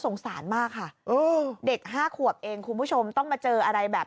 สงสารมากค่ะเด็กห้าขวบเองคุณผู้ชมต้องมาเจออะไรแบบ